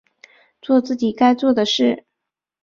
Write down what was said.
作自己该做的事